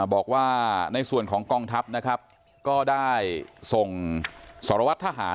บอกว่าในส่วนของกองทัพนะครับก็ได้ส่งสารวัตรทหาร